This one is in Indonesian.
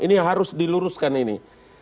ini harus diluruskan ini